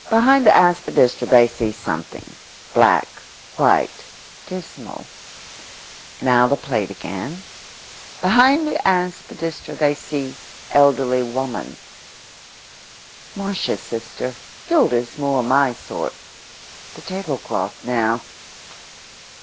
Behind the aspidistra they see something: black, white, dismal; now the plate again; behind the aspidistra they see elderly woman; "Marsh's sister, Hilda's more my sort;" the tablecloth now.